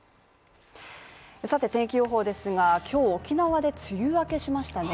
さて天気予報ですが今日沖縄で梅雨明けしましたね